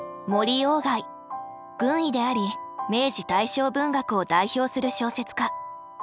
軍医であり明治大正文学を代表する小説家。